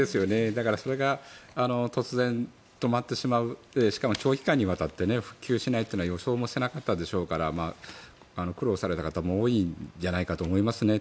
だから、それが突然、止まってしまってしかも長期間にわたって復旧しないというのは予想もしていなかったでしょうから苦労された方も多いんじゃないかと思いますね。